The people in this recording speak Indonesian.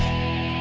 saya yang menang